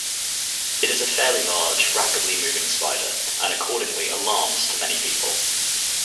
It is a fairly large, rapidly moving spider, and accordingly alarms to many people.